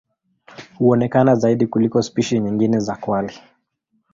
Huonekana zaidi kuliko spishi nyingine za kwale.